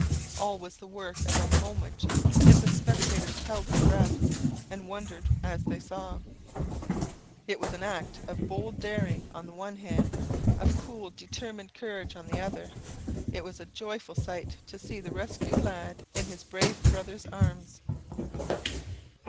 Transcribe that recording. All was the work of a moment; yet the spectators held their breath, and wondered as they saw. It was an act of bold daring on the one hand, of cool determined courage on the other. It was a joyful sight to see the rescued lad in his brave brother's arms.